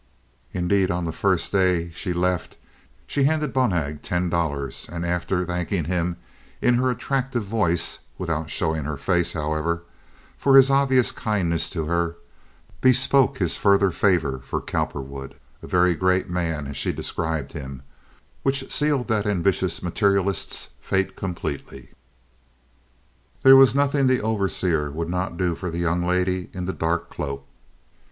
Indeed, on the first day she left she handed Bonhag ten dollars, and after thanking him in her attractive voice—without showing her face, however—for his obvious kindness to her, bespoke his further favor for Cowperwood—"a very great man," as she described him, which sealed that ambitious materialist's fate completely. There was nothing the overseer would not do for the young lady in the dark cloak.